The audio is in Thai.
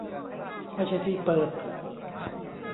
ไม่ใช่ที่เปิด